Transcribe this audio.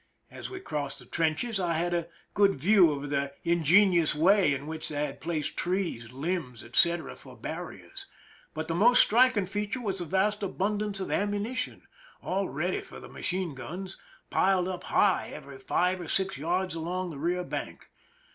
As we crossed the trenches I had a good view of the ingenious way in which they had placed trees, limbs, etc., for barriers ; but the most striking feature was the vast abundance of ammunition, all ready for the magazine guns, piled up high every five or six yards along the rear bank.